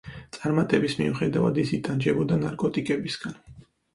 წარმატების მიუხედავად ის იტანჯებოდა ნარკოტიკებისგან.